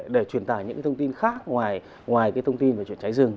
để truyền tài những thông tin khác ngoài thông tin về chuyện cháy rừng